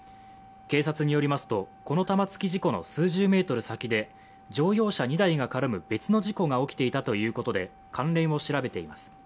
警察によりますと、この玉突き事故の数十メートル先で乗用車２台が絡む別の事故が起きていたということで関連を調べています。